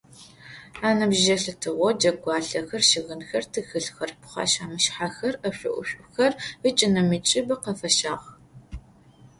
Аныбжь елъытыгъэу джэгуалъэхэр, щыгъынхэр, тхылъхэр, пхъэшъхьэ-мышъхьэхэр, ӏэшӏу-ӏушӏухэр ыкӏи нэмыкӏыбэ къафащагъ.